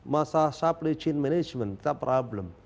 masalah supply chain management kita problem